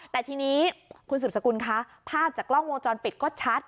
แต่ทีนี้คุณสืบสกุลคะภาพจากกล้องวงจรปิดก็ชัด